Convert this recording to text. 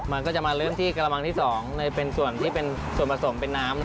มันก็จะมาเริ่มที่กระมังที่๒เป็นส่วนที่เป็นส่วนผสมเป็นน้ำ